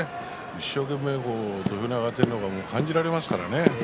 一生懸命土俵に上がっているのは感じられますからね。